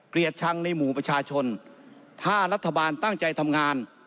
ชังในหมู่ประชาชนถ้ารัฐบาลตั้งใจทำงาน